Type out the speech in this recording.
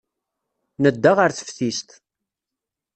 Nedda ɣer teftist.